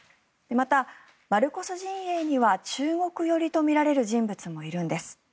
またマルコス陣営には中国寄りとみられる人物もいるんです。